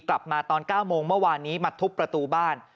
กลับมาตอน๙โมงเมื่อวานนี้มาทุบประตูบ้าน